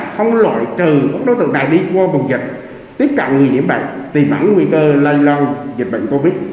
không lội trừ các đối tượng đại đi qua vùng dịch